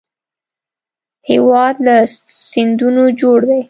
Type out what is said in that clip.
هېواد له سیندونو جوړ دی